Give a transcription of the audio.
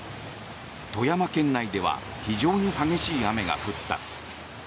富山県内では非常に激しい雨が降った。